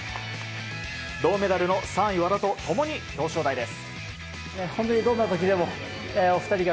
銅メダルの３位、和田と共に表彰台です。